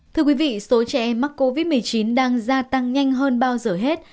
thưa quý vị số trẻ em mắc covid một mươi chín đang gia tăng nhanh hơn bao giờ hết